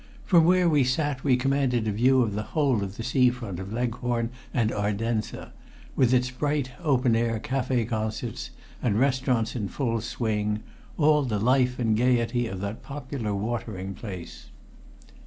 From where we sat we commanded a view of the whole of the sea front of Leghorn and Ardenza, with its bright open air café concerts and restaurants in full swing all the life and gayety of that popular watering place.